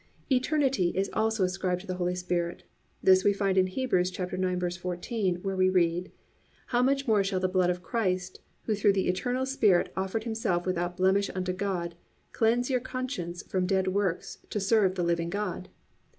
(4) Eternity is also ascribed to the Holy Spirit. This we find in Hebrews 9:14, where we read: +"How much more shall the blood of Christ, who through the Eternal Spirit offered himself without blemish unto God, cleanse your conscience from dead works to serve the living God?"